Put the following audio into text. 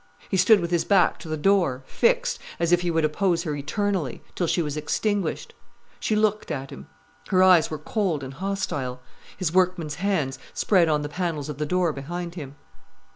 He stood with his back to the door, fixed, as if he would oppose her eternally, till she was extinguished. She looked at him. Her eyes were cold and hostile. His workman's hands spread on the panels of the door behind him.